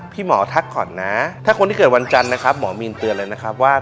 พี่หมอทักก่อนนะถ้าคนที่เกิดวันจันทร์นะครับหมอมีนเตือนเลยนะครับว่า